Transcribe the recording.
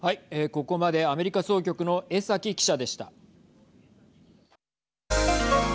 ここまでアメリカ総局の江崎記者でした。